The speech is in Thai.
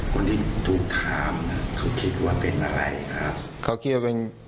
คนที่ถูกถามนะเขาคิดว่าเป็นอะไรอ่าเขาคิดว่าเป็น